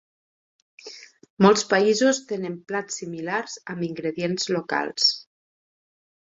Molts països tenen plats similars amb ingredients locals.